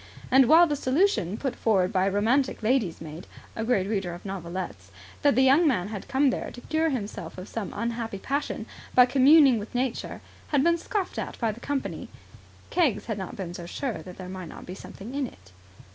And while the solution put forward by a romantic lady's maid, a great reader of novelettes, that the young man had come there to cure himself of some unhappy passion by communing with nature, had been scoffed at by the company, Keggs had not been so sure that there might not be something in it.